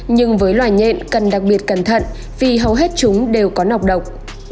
nhưng với loài nhuện cần đặc biệt cẩn thận vì hầu hết chúng đều có nọc độc